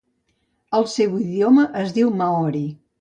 El seu idioma es diu maori.